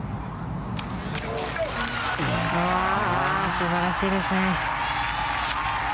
素晴らしいですね。